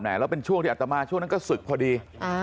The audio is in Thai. แล้วเป็นช่วงที่อัตมาช่วงนั้นก็ศึกพอดี